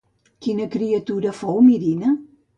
Quina criatura fou Mirina?